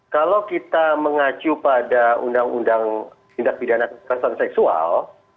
kalau kita mengacu pada undang undang tindak pidana kekerasan seksual